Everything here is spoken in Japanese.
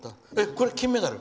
これ、金メダル？